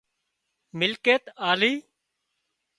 ملڪيت آلي